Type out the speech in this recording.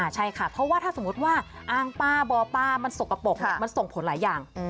ใช่ค่ะเพราะว่าถ้าสมมุติว่าอ้างปลาบ่อปลามันสกปรกมันส่งผลหลายอย่าง